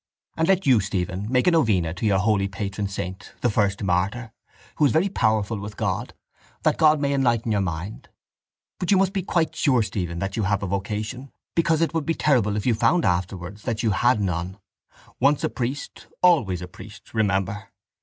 And let you, Stephen, make a novena to your holy patron saint, the first martyr, who is very powerful with God, that God may enlighten your mind. But you must be quite sure, Stephen, that you have a vocation because it would be terrible if you found afterwards that you had none. Once a priest always a priest, remember.